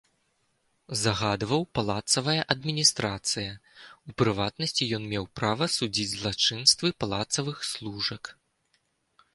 Загадваў палацавая адміністрацыя, у прыватнасці, ён меў права судзіць злачынствы палацавых служак.